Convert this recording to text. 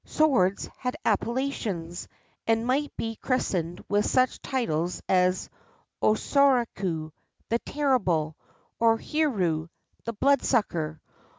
Swords had appellations, and might be christened with such titles as Osoraku, "the terrible," or Hiru, " the blood sucker."